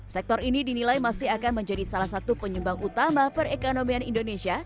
sektor ini dinilai masih akan menjadi salah satu penyumbang utama perekonomian indonesia